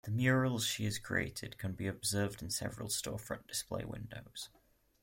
The murals she has created can be observed in several storefront display windows.